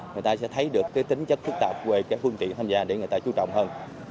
người ta sẽ thấy được cái tính chất phức tạp về cái phương tiện tham gia để người ta chú trọng hơn